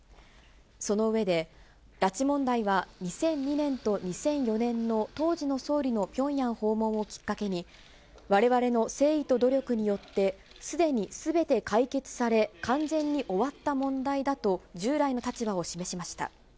その上で、拉致問題は２００２年と２００４年の当時の総理のピョンヤン訪問をきっかけに、われわれの誠意と努力によって、すでにすべて解決され、完全に終わった問題だと従来の立場を示しました。